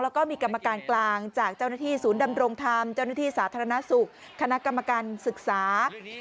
แล้วก็มีกรรมการกลางจากเจ้าหน้าที่ศูนย์ดำรงธรรมเจ้าหน้าที่สาธารณสุขคณะกรรมการศึกษา